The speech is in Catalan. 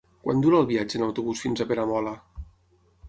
Quant dura el viatge en autobús fins a Peramola?